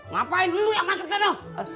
ngapain lu yang masuk ke sana